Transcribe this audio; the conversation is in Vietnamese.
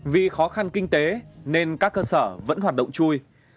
vì khó khăn kinh tế nên các cơ sở vẫn hoạt động chui